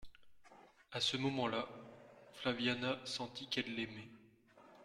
A ce moment-là, Flaviana sentit qu'elle l'aimait.